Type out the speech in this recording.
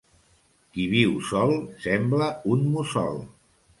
Qui viu sol sembla un mussol.